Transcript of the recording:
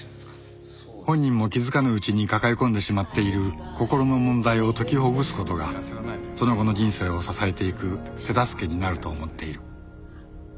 本人も気づかぬうちに抱え込んでしまっている心の問題を解きほぐす事がその後の人生を支えていく手助けになると思っている